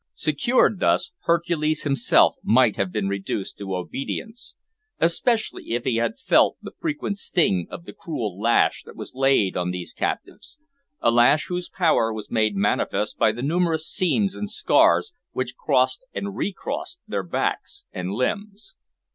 Secured thus, Hercules himself might have been reduced to obedience, especially if he had felt the frequent sting of the cruel lash that was laid on these captives, a lash whose power was made manifest by the numerous seams and scars which crossed and recrossed their backs and limbs.